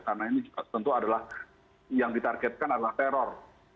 karena ini tentu adalah yang ditargetkan adalah teror